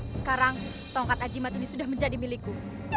sekarang tongkat ajimat ini sudah menjadi milikku